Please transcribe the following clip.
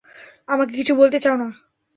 আমাকে কিছু বলতে চাও না?